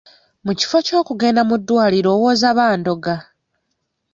Mu kifo ky'okugenda mu ddwaliro owoza bandoga.